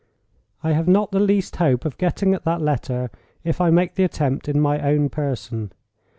I have not the least hope of getting at that letter if I make the attempt in my own person.